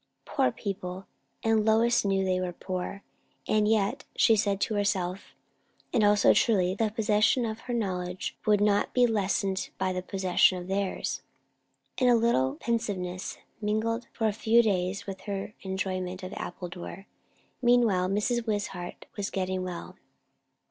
Poor people! and Lois knew they were poor; and yet she said to herself, and also truly, that the possession of her knowledge would not be lessened by the possession of theirs. And a little pensiveness mingled for a few days with her enjoyment of Appledore. Meanwhile Mrs. Wishart was getting well.